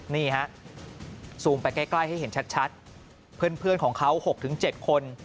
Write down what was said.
นี่ฮะซูมไปใกล้ให้เห็นชัดเพื่อนของเขา๖๗คน